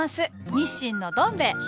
日清のどん兵衛東？